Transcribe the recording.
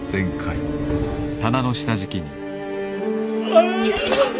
ああ！